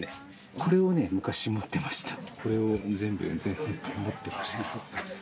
これを全巻持ってました。